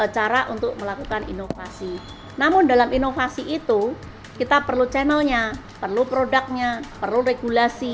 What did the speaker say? cara untuk melakukan inovasi namun dalam inovasi itu kita perlu channelnya perlu produknya perlu regulasi